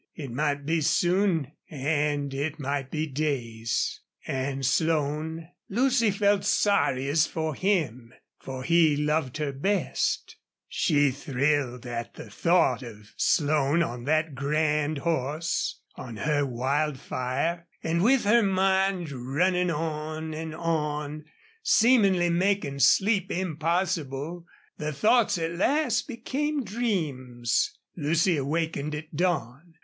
It might be soon and it might be days. And Slone Lucy felt sorriest for him. For he loved her best. She thrilled at thought of Slone on that grand horse on her Wildfire. And with her mind running on and on, seemingly making sleep impossible, the thoughts at last became dreams. Lucy awakened at dawn.